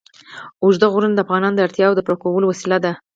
اوږده غرونه د افغانانو د اړتیاوو د پوره کولو وسیله ده.